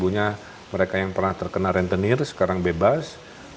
tiga nya mereka yang pernah terkena rentenir sekarang bebas